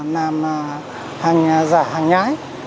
làm hàng nhái